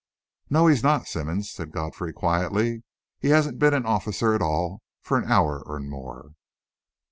"No, he's not, Simmonds," said Godfrey, quietly. "He hasn't been an officer at all for an hour and more."